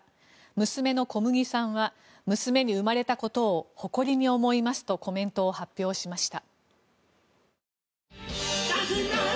娘のこむぎさんは娘に生まれたことを誇りに思いますとコメントを発表しました。